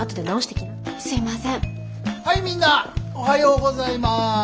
はいみんなおはようございます。